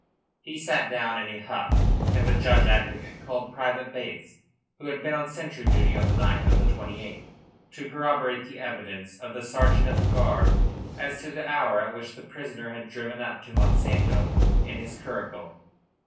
He sat down in a huff, and the judge advocate called Private Bates, who had been on sentry duty on the night of the 28th, to corroborate the evidence of the sergeant of the guard as to the hour at which the prisoner had driven up to Monsanto in his curricle.